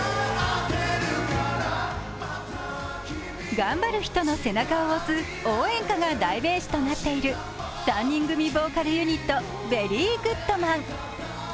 頑張る人の背中を押す応援歌が代名詞となっている３人組ボーカルユニットベリーグッドマン。